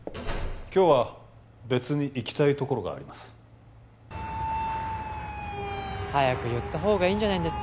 今日は別に行きたい所があります早く言ったほうがいいんじゃないんですか？